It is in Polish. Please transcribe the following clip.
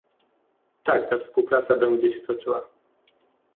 Tak, ta współpraca będzie się toczyła